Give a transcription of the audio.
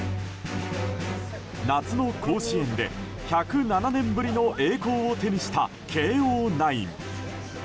夏の甲子園で１０７年ぶりの栄光を手にした慶応ナイン。